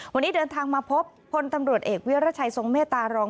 วันนี้เดินทางมาพบพลตำรวจเอกวิรัชัยทรงเมตตารอง